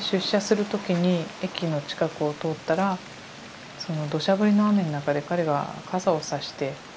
出社する時に駅の近くを通ったらその土砂降りの雨の中で彼が傘をさして待っていて。